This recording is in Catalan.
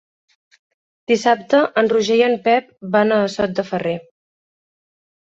Dissabte en Roger i en Pep van a Sot de Ferrer.